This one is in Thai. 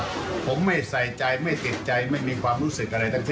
แต่ว่าผมไม่ใส่ใจไม่ติดใจไม่มีความรู้สึกอะไรต่าง